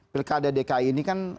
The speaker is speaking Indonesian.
pilkada dki ini kan